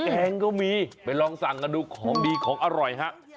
แกงก็มีไปลองสั่งกันดูของดีของอร่อยฮะ